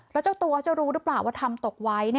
แล้วเจ้าตัวจะรู้หรือเปล่าว่าทำตกไว้